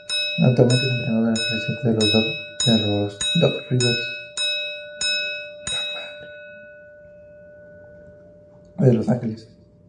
Actualmente es entrenador asistente de Doc Rivers en los Los Angeles Clippers.